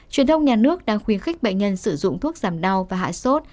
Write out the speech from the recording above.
truyền thông nhà nước đang khuyến khích bệnh nhân sử dụng thuốc giảm đau và hạ sốt